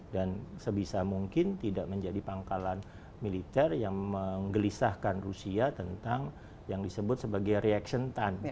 dan sebisa mungkin tidak menjadi pangkalan militer yang menggelisahkan rusia tentang yang disebut sebagai reaction time